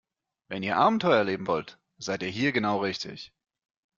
Wenn ihr Abenteuer erleben wollt, seid ihr hier genau richtig.